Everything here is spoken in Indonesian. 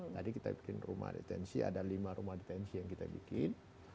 jadi kita bikin rumah detensi ada lima rumah detensi yang kita bikin